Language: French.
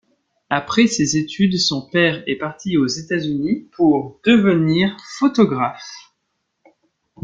Après ses études, son père est parti aux Etats Unis pour devenir photographe.